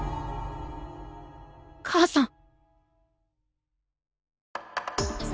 母さん。